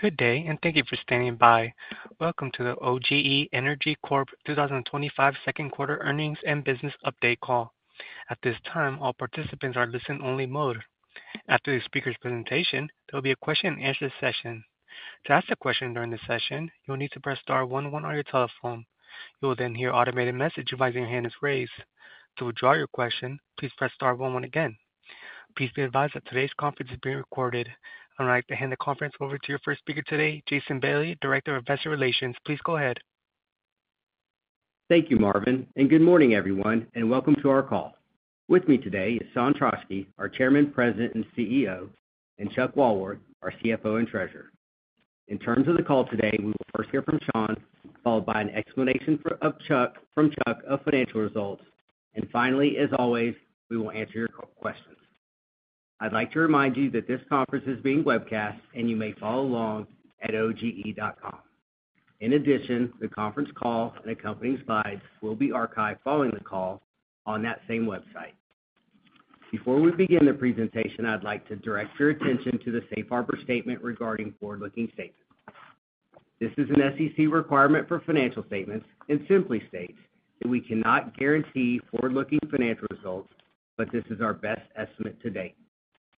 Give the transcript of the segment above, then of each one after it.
Good day, and thank you for standing by. Welcome to the OGE Energy Corp. 2025 second quarter earnings and business update call. At this time, all participants are in listen-only mode. After the speaker's presentation, there will be a question and answer session. To ask a question during the session, you'll need to press star one-one on your telephone. You will then hear an automated message advising your hand is raised. To withdraw your question, please press star one-one again. Please be advised that today's conference is being recorded. I would like to hand the conference over to your first speaker today, Jason Bailey, Director of Investor Relations. Please go ahead. Thank you, Marvin, and good morning, everyone, and welcome to our call. With me today is Sean Trauschke, our Chairman, President, and CEO, and Chuck Walworth, our CFO and Treasurer. In terms of the call today, we will first hear from Sean, followed by an explanation from Chuck of financial results, and finally, as always, we will answer your questions. I'd like to remind you that this conference is being webcast, and you may follow along at oge.com. In addition, the conference call and accompanying slides will be archived following the call on that same website. Before we begin the presentation, I'd like to direct your attention to the Safe Harbor Statement regarding forward-looking statements. This is an SEC requirement for financial statements and simply states that we cannot guarantee forward-looking financial results, but this is our best estimate to date.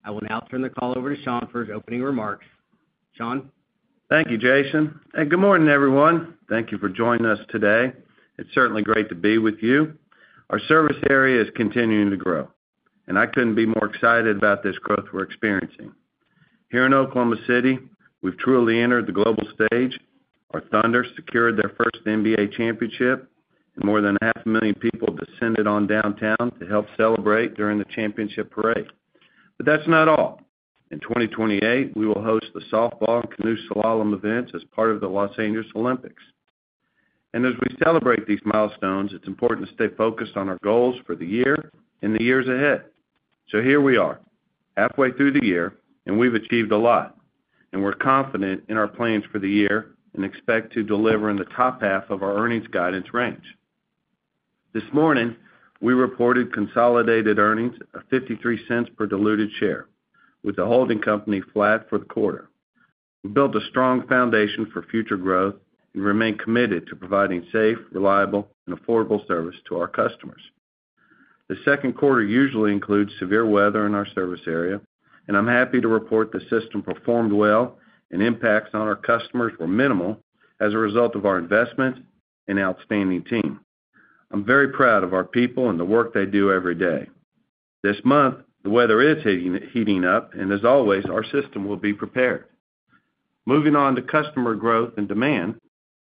I will now turn the call over to Sean for his opening remarks. Sean? Thank you, Jason, and good morning, everyone. Thank you for joining us today. It's certainly great to be with you. Our service area is continuing to grow, and I couldn't be more excited about this growth we're experiencing. Here in Oklahoma City, we've truly entered the global stage. Our Thunder secured their first NBA Championship, and more than half a million people descended downtown to help celebrate during the Championship Parade. That's not all. In 2028, we will host the Softball and Canoe Slalom events as part of the Los Angeles Olympics. As we celebrate these milestones, it's important to stay focused on our goals for the year and the years ahead. Here we are, halfway through the year, and we've achieved a lot. We're confident in our plans for the year and expect to deliver in the top half of our earnings guidance range. This morning, we reported consolidated earnings of $0.53 per diluted share, with the holding company flat for the quarter. We built a strong foundation for future growth and remain committed to providing safe, reliable, and affordable service to our customers. The second quarter usually includes severe weather in our service area, and I'm happy to report the system performed well and impacts on our customers were minimal as a result of our investment and outstanding team. I'm very proud of our people and the work they do every day. This month, the weather is heating up, and as always, our system will be prepared. Moving on to customer growth and demand,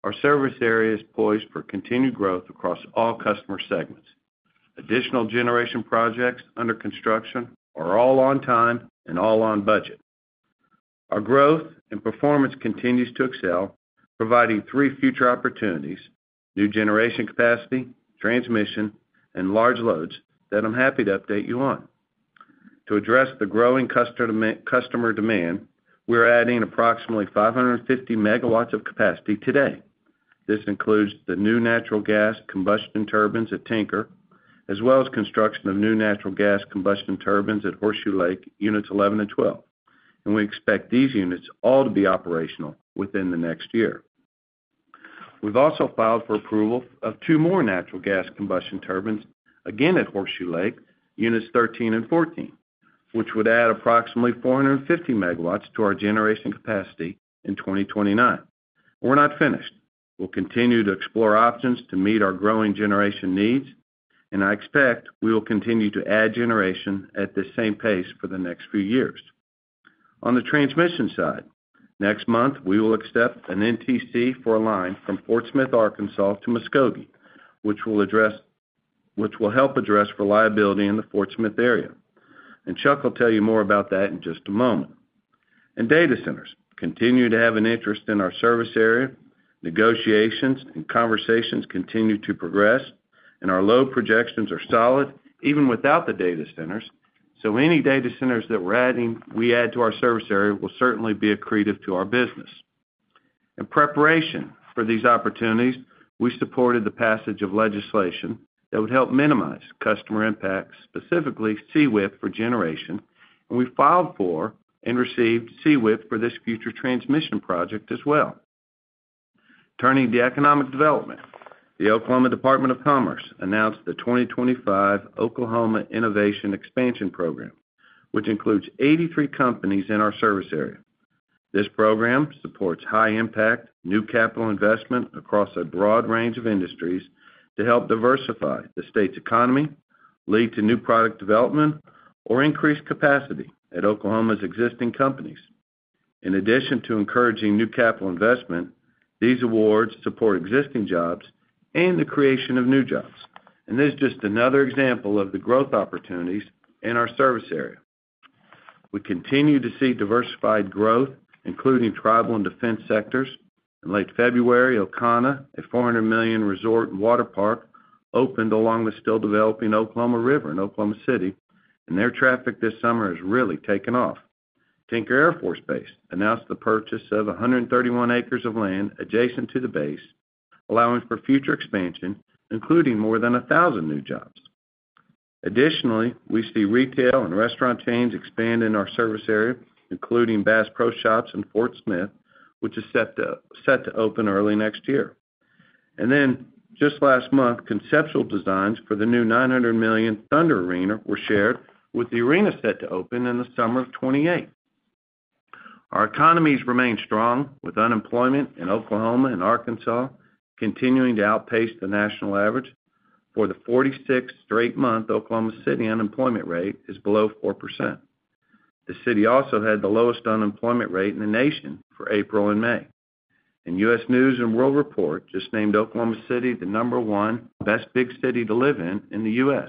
our service area is poised for continued growth across all customer segments. Additional generation projects under construction are all on time and all on budget. Our growth and performance continues to excel, providing three future opportunities: new generation capacity, transmission, and large loads that I'm happy to update you on. To address the growing customer demand, we're adding approximately 550 MW of capacity today. This includes the new natural gas combustion turbines at Tinker, as well as construction of new natural gas combustion turbines at Horseshoe Lake, Units 11 and 12. We expect these units all to be operational within the next year. We've also filed for approval of two more natural gas combustion turbines, again at Horseshoe Lake, Units 13 and 14, which would add approximately 450 MW to our generation capacity in 2029. We're not finished. We'll continue to explore options to meet our growing generation needs, and I expect we will continue to add generation at the same pace for the next few years. On the transmission side, next month, we will accept an NTC for a line from Fort Smith, Arkansas, to Muskogee, which will help address reliability in the Fort Smith area. Chuck will tell you more about that in just a moment. Data centers continue to have an interest in our service area. Negotiations and conversations continue to progress, and our load projections are solid even without the data centers. Any data centers that we add to our service area will certainly be accretive to our business. In preparation for these opportunities, we supported the passage of legislation that would help minimize customer impacts, specifically CWIP for generation, and we filed for and received CWIP for this future transmission project as well. Turning to economic development, the Oklahoma Department of Commerce announced the 2025 Oklahoma Innovation Expansion Program, which includes 83 companies in our service area. This program supports high-impact, new capital investment across a broad range of industries to help diversify the state's economy, lead to new product development, or increase capacity at Oklahoma's existing companies. In addition to encouraging new capital investment, these awards support existing jobs and the creation of new jobs. This is just another example of the growth opportunities in our service area. We continue to see diversified growth, including tribal and defense sectors. In late February, Ocana, a $400 million resort and water park, opened along the still-developing Oklahoma River in Oklahoma City, and their traffic this summer has really taken off. Tinker Air Force Base announced the purchase of 131 acres of land adjacent to the base, allowing for future expansion, including more than 1,000 new jobs. Additionally, we see retail and restaurant chains expand in our service area, including Bass Pro Shops in Fort Smith, which is set to open early next year. Just last month, conceptual designs for the new $900 million Thunder Arena were shared, with the arena set to open in the summer of 2028. Our economies remain strong, with unemployment in Oklahoma and Arkansas continuing to outpace the national average. For the 46th straight month, Oklahoma City unemployment rate is below 4%. The city also had the lowest unemployment rate in the nation for April and May. U.S. News and World Report just named Oklahoma City the number one best big city to live in in the U.S.,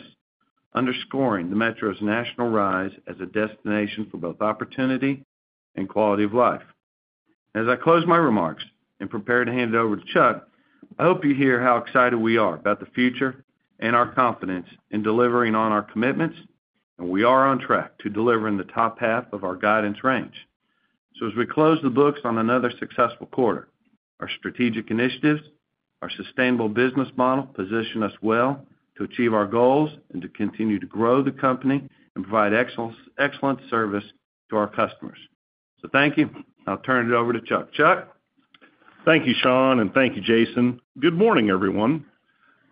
underscoring the Metro's national rise as a destination for both opportunity and quality of life. As I close my remarks and prepare to hand it over to Chuck, I hope you hear how excited we are about the future and our confidence in delivering on our commitments, and we are on track to deliver in the top half of our guidance range. As we close the books on another successful quarter, our strategic initiatives and our sustainable business model position us well to achieve our goals and to continue to grow the company and provide excellent service to our customers. Thank you. I'll turn it over to Chuck. Chuck? Thank you, Sean, and thank you, Jason. Good morning, everyone.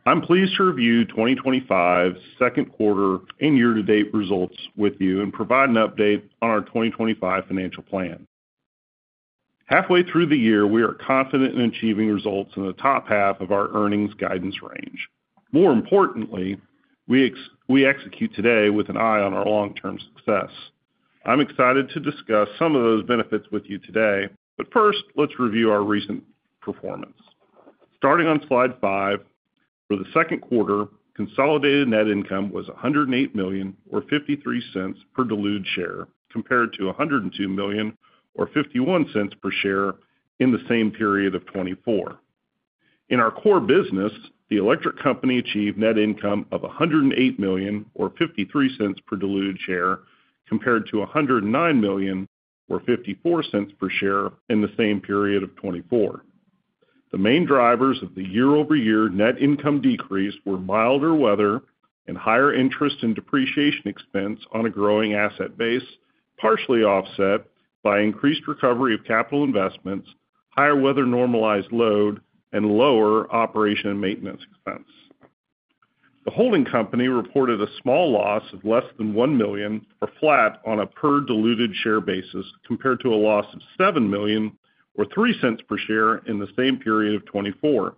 I'm pleased to review 2025 second quarter and year-to-date results with you and provide an update on our 2025 financial plan. Halfway through the year, we are confident in achieving results in the top half of our earnings guidance range. More importantly, we execute today with an eye on our long-term success. I'm excited to discuss some of those benefits with you today, but first, let's review our recent performance. Starting on slide five, for the second quarter, consolidated net income was $108 million or $0.53 per diluted share, compared to $102 million or $0.51 per share in the same period of 2024. In our core business, the electric company achieved net income of $108 million or $0.53 per diluted share, compared to $109 million or $0.54 per share in the same period of 2024. The main drivers of the year-over-year net income decrease were milder weather and higher interest and depreciation expense on a growing asset base, partially offset by increased recovery of capital investments, higher weather-normalized load, and lower operation and maintenance expense. The holding company reported a small loss of less than $1 million, or flat on a per diluted share basis, compared to a loss of $7 million or $0.03 per share in the same period of 2024.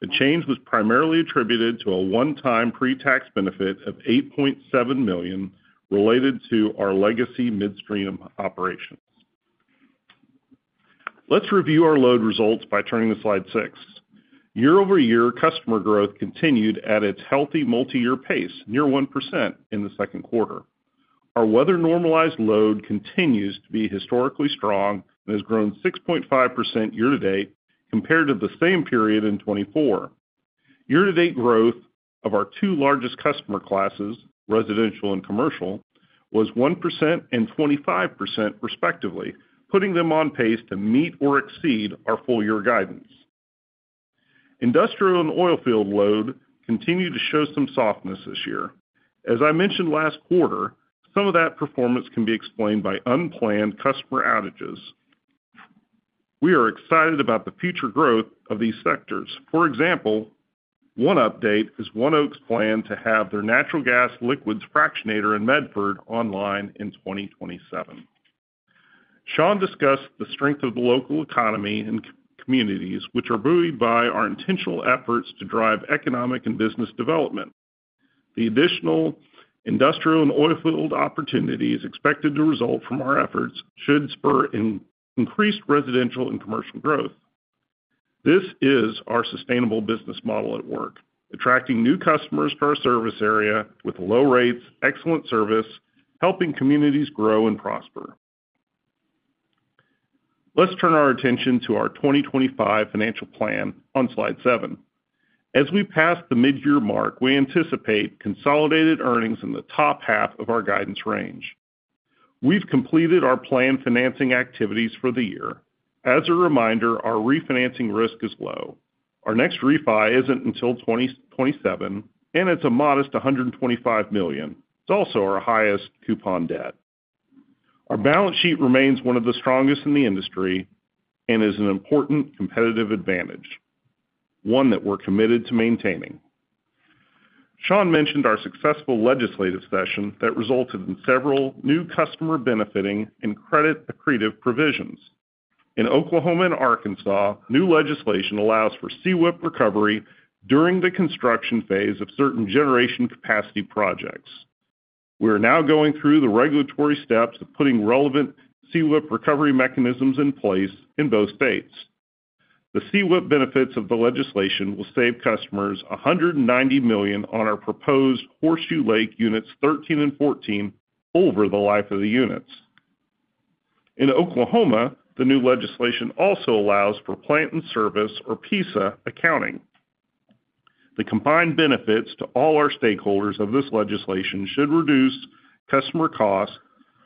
The change was primarily attributed to a one-time pre-tax benefit of $8.7 million related to our legacy midstream operations. Let's review our load results by turning to slide six. Year-over-year customer growth continued at its healthy multi-year pace, near 1% in the second quarter. Our weather-normalized load continues to be historically strong and has grown 6.5% year to date compared to the same period in 2024. Year-to-date growth of our two largest customer classes, residential and commercial, was 1% and 25% respectively, putting them on pace to meet or exceed our full-year guidance. Industrial and oil field load continue to show some softness this year. As I mentioned last quarter, some of that performance can be explained by unplanned customer outages. We are excited about the future growth of these sectors. For example, one update is One Oak's plan to have their natural gas liquids fractionator in Medford online in 2027. Sean discussed the strength of the local economy and communities, which are buoyed by our intentional efforts to drive economic and business development. The additional industrial and oil field opportunities expected to result from our efforts should spur increased residential and commercial growth. This is our sustainable business model at work, attracting new customers to our service area with low rates, excellent service, helping communities grow and prosper. Let's turn our attention to our 2025 financial plan on slide seven. As we pass the mid-year mark, we anticipate consolidated earnings in the top half of our guidance range. We've completed our planned financing activities for the year. As a reminder, our refinancing risk is low. Our next refi isn't until 2027, and it's a modest $125 million. It's also our highest coupon debt. Our balance sheet remains one of the strongest in the industry and is an important competitive advantage, one that we're committed to maintaining. Sean mentioned our successful legislative session that resulted in several new customer-benefiting and credit-accretive provisions. In Oklahoma and Arkansas, new legislation allows for CWIP recovery during the construction phase of certain generation capacity projects. We are now going through the regulatory steps of putting relevant CWIP recovery mechanisms in place in both states. The CWIP benefits of the legislation will save customers $190 million on our proposed Horseshoe Lake Units 13 and 14 over the life of the units. In Oklahoma, the new legislation also allows for Plant in Service or PISA Accounting. The combined benefits to all our stakeholders of this legislation should reduce customer costs,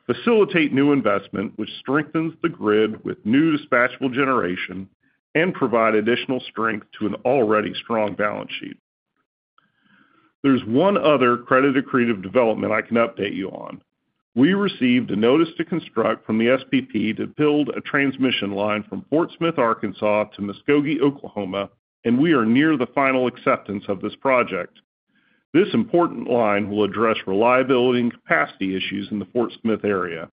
facilitate new investment, which strengthens the grid with new dispatchable generation, and provide additional strength to an already strong balance sheet. There's one other credit-accretive development I can update you on. We received a notice to construct from the SPP to build a transmission line from Fort Smith, Arkansas, to Muskogee, Oklahoma, and we are near the final acceptance of this project. This important line will address reliability and capacity issues in the Fort Smith area.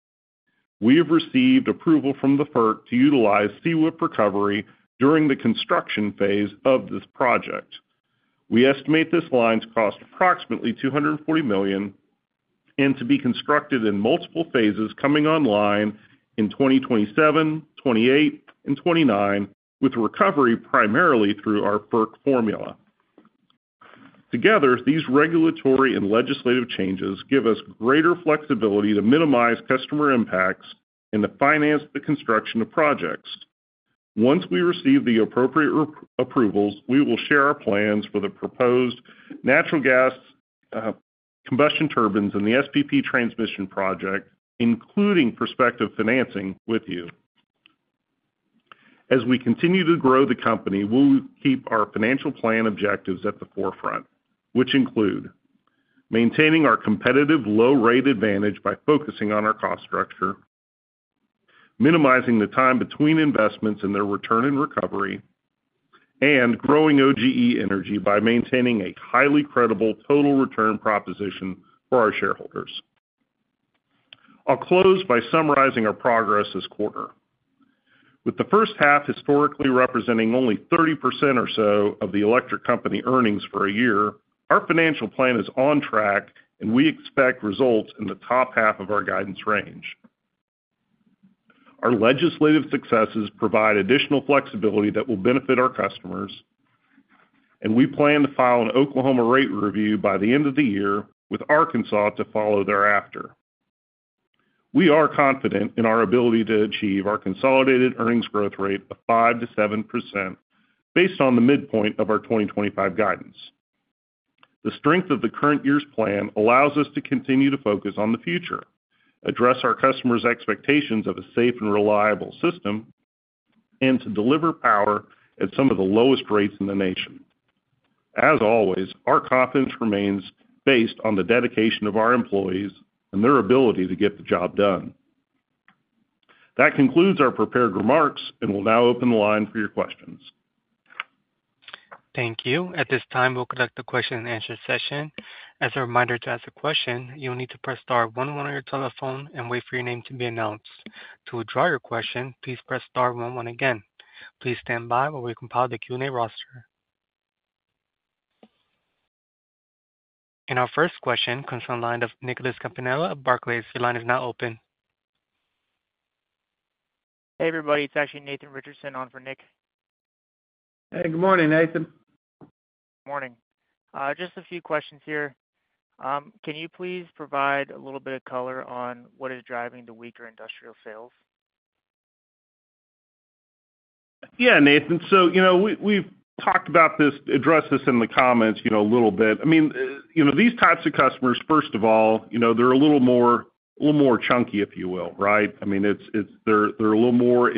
We have received approval from the FERC to utilize CWIP recovery during the construction phase of this project. We estimate this line's cost approximately $240 million and to be constructed in multiple phases coming online in 2027, 2028, and 2029, with recovery primarily through our FERC formula. Together, these regulatory and legislative changes give us greater flexibility to minimize customer impacts and to finance the construction of projects. Once we receive the appropriate approvals, we will share our plans for the proposed natural gas combustion turbines and the SPP transmission project, including prospective financing with you. As we continue to grow the company, we'll keep our financial plan objectives at the forefront, which include maintaining our competitive low-rate advantage by focusing on our cost structure, minimizing the time between investments and their return in recovery, and growing OGE Energy by maintaining a highly credible total return proposition for our shareholders. I'll close by summarizing our progress this quarter. With the first half historically representing only 30% or so of the electric company earnings for a year, our financial plan is on track, and we expect results in the top half of our guidance range. Our legislative successes provide additional flexibility that will benefit our customers, and we plan to file an Oklahoma rate review by the end of the year, with Arkansas to follow thereafter. We are confident in our ability to achieve our consolidated earnings growth rate of 5%-7% based on the midpoint of our 2025 guidance. The strength of the current year's plan allows us to continue to focus on the future, address our customers' expectations of a safe and reliable system, and to deliver power at some of the lowest rates in the nation. As always, our confidence remains based on the dedication of our employees and their ability to get the job done. That concludes our prepared remarks, and we'll now open the line for your questions. Thank you. At this time, we'll conduct the question and answer session. As a reminder, to ask a question, you'll need to press star one-one on your telephone and wait for your name to be announced. To withdraw your question, please press star one-one again. Please stand by while we compile the Q&A roster. Our first question comes from the line of Nicholas Campanella of Barclays. Your line is now open. Hey, everybody. It's actually Nathan Richardson on for Nick. Hey, good morning, Nathan. Morning. Just a few questions here. Can you please provide a little bit of color on what is driving the weaker industrial sales? Yeah, Nathan. We've talked about this, addressed this in the comments a little bit. These types of customers, first of all, they're a little more, a little more chunky, if you will, right? They're a little more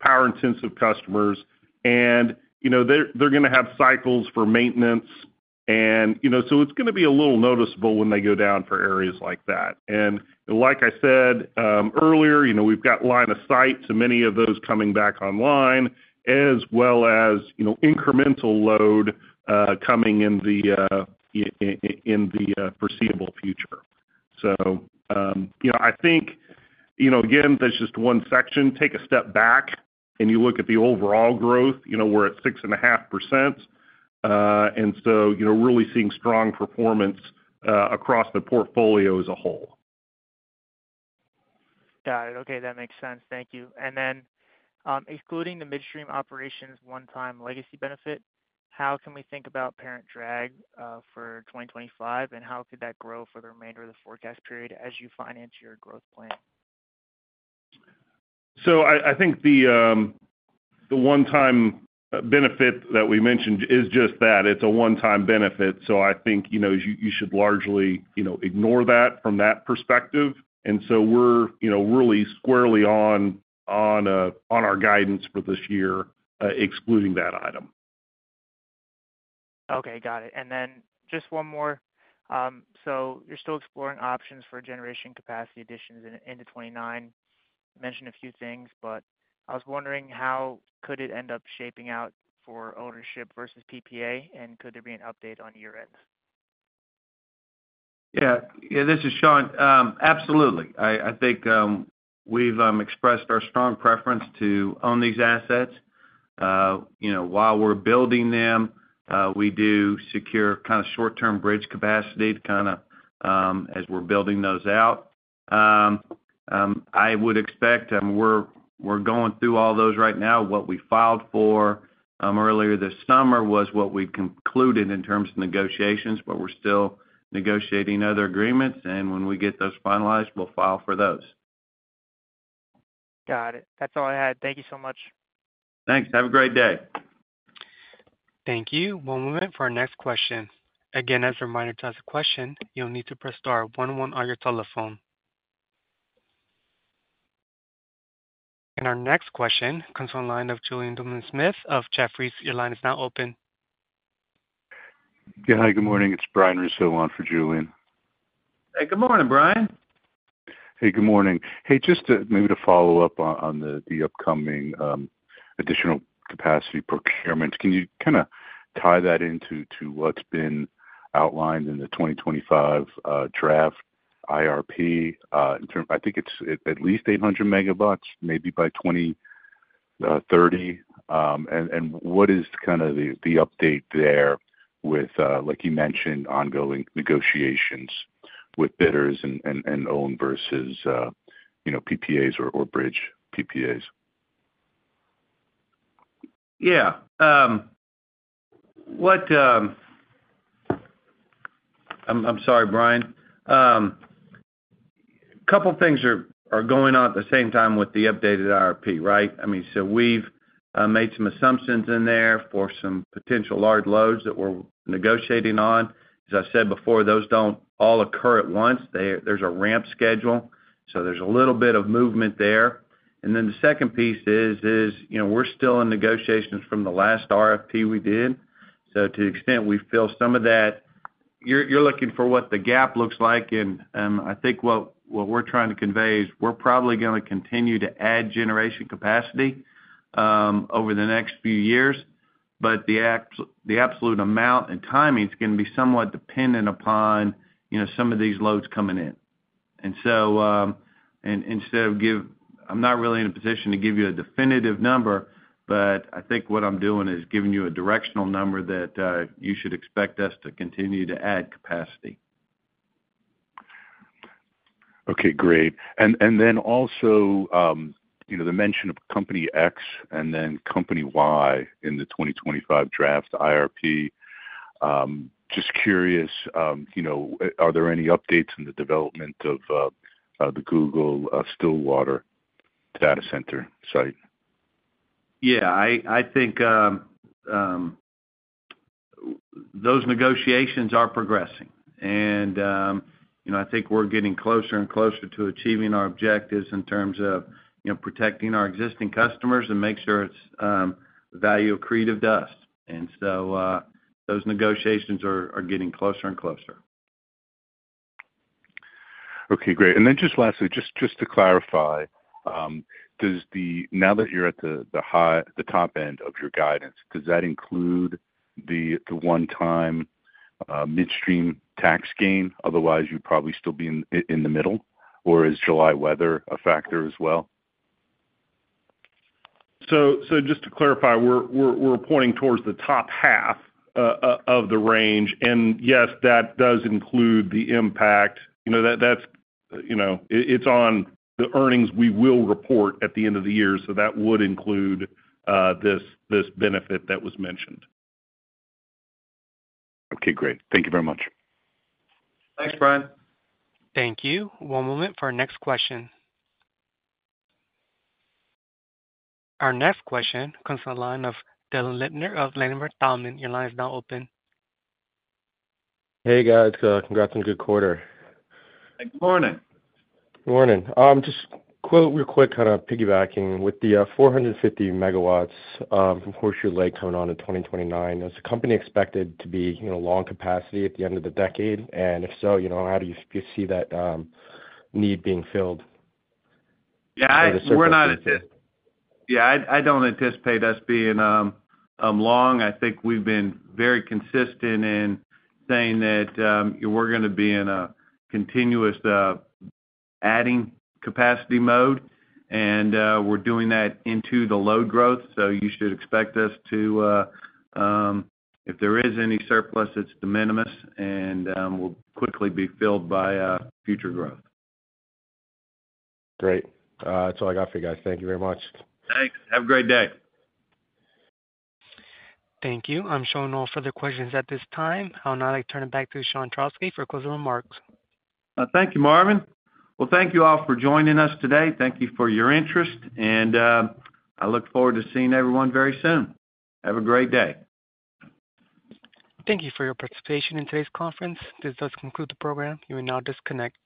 power-intensive customers, and they're going to have cycles for maintenance, so it's going to be a little noticeable when they go down for areas like that. Like I said earlier, we've got line of sight to many of those coming back online, as well as incremental load coming in the foreseeable future. I think that's just one section. Take a step back, and you look at the overall growth, we're at 6.5%, and really seeing strong performance across the portfolio as a whole. Got it. Okay, that makes sense. Thank you. Excluding the midstream operations one-time legacy benefit, how can we think about parent drag for 2025, and how could that grow for the remainder of the forecast period as you finance your growth plan? I think the one-time benefit that we mentioned is just that. It's a one-time benefit. I think you should largely ignore that from that perspective. We're really squarely on our guidance for this year, excluding that item. Okay, got it. Just one more. You're still exploring options for generation capacity additions in the end of 2029. You mentioned a few things, but I was wondering how could it end up shaping out for ownership versus power purchase agreement, and could there be an update on year-ends? Yeah, this is Sean. Absolutely. I think we've expressed our strong preference to own these assets. You know, while we're building them, we do secure kind of short-term bridge capacity as we're building those out. I would expect we're going through all those right now. What we filed for earlier this summer was what we concluded in terms of negotiations, but we're still negotiating other agreements, and when we get those finalized, we'll file for those. Got it. That's all I had. Thank you so much. Thanks. Have a great day. Thank you. We'll move for our next question. As a reminder, to ask a question, you'll need to press star one-one on your telephone. Our next question comes from the line of Julien Dumoulin-Smith of Jefferies. Your line is now open. Yeah, hi. Good morning. It's Brian Russo on for Julien. Hey, good morning, Brian. Good morning. Just to follow up on the upcoming additional capacity procurements, can you tie that into what's been outlined in the 2025 draft IRP in terms of, I think it's at least 800 MW, maybe by 2030? What is the update there with, like you mentioned, ongoing negotiations with bidders and owned versus, you know, PPAs or bridge PPAs? Yeah, I'm sorry, Brian. A couple of things are going on at the same time with the updated IRP, right? I mean, we've made some assumptions in there for some potential large loads that we're negotiating on. As I said before, those don't all occur at once. There's a ramp schedule, so there's a little bit of movement there. The second piece is, you know, we're still in negotiations from the last RFP we did. To the extent we fill some of that, you're looking for what the gap looks like. I think what we're trying to convey is we're probably going to continue to add generation capacity over the next few years, but the absolute amount and timing is going to be somewhat dependent upon some of these loads coming in. Instead of giving, I'm not really in a position to give you a definitive number, but I think what I'm doing is giving you a directional number that you should expect us to continue to add capacity. Okay, great. Also, you know, the mention of Company X and then Company Y in the 2025 draft IRP. Just curious, you know, are there any updates in the development of the Google Stillwater data center site? I think those negotiations are progressing. I think we're getting closer and closer to achieving our objectives in terms of protecting our existing customers and making sure it's value accretive. Those negotiations are getting closer and closer. Okay, great. Lastly, just to clarify, now that you're at the high, the top end of your guidance, does that include the one-time midstream tax gain? Otherwise, you'd probably still be in the middle, or is July weather a factor as well? Just to clarify, we're pointing towards the top half of the range, and yes, that does include the impact. It's on the earnings we will report at the end of the year, so that would include this benefit that was mentioned. Okay, great. Thank you very much. Thanks, Brian. Thank you. We'll move to our next question. Our next question comes from the line of Dylan Lipner of Ladenburg Thalmann. Your line is now open. Hey, guys. Congrats on the good quarter. Hey, good morning. Morning. Just real quick, kind of piggybacking with the 450 MW from Horseshoe Lake coming on in 2029, is the company expected to be, you know, long capacity at the end of the decade? If so, you know, how do you see that need being filled? Yeah, I don't anticipate us being long. I think we've been very consistent in saying that we're going to be in a continuous adding capacity mode, and we're doing that into the load growth. You should expect us to, if there is any surplus, it's de minimis, and we'll quickly be filled by future growth. Great. That's all I got for you guys. Thank you very much. Thanks. Have a great day. Thank you. I'm showing no further questions at this time. I'll now turn it back to Sean Trauschke for closing remarks. Thank you, Marvin. Thank you all for joining us today. Thank you for your interest, and I look forward to seeing everyone very soon. Have a great day. Thank you for your participation in today's conference. This does conclude the program. You may now disconnect.